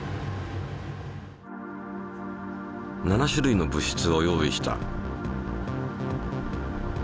７種類の物質を用意した。